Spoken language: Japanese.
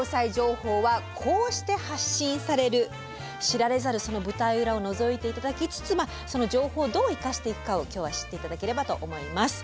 知られざるその舞台裏をのぞいて頂きつつその情報をどう生かしていくかを今日は知って頂ければと思います。